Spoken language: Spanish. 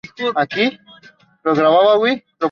La cuarta y octava etapa se dividen en dos sectores.